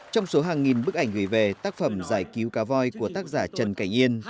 trong số hàng nghìn bức ảnh gửi về tác phẩm giải cứu cá voi của tác giả trần cảnh yên